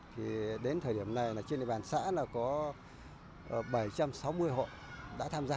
thì đến thời điểm này trên địa bàn xã có bảy trăm sáu mươi hội đã tham gia